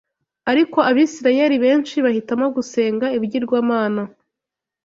Ariko Abisirayeli benshi bahitamo gusenga ibigirwamana